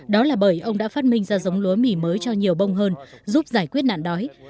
đó là bởi ông đã phát minh ra giống lúa mì mới cho nhiều bông hơn giúp giải quyết nạn đói